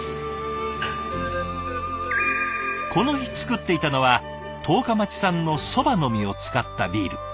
この日造っていたのは十日町産の蕎麦の実を使ったビール。